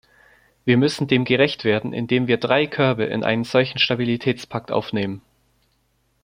Wir müssen dem gerecht werden, indem wir drei Körbe in einen solchen Stabilitätspakt aufnehmen.